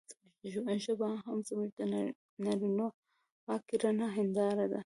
زموږ ژبه هم زموږ د نارينواکۍ رڼه هېنداره ده.